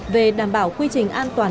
về đảm bảo quy trình an toàn